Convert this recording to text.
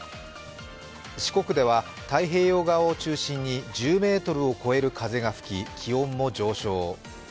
四国では太平洋側を中心に１０ｍを超える風が吹き気温も上昇。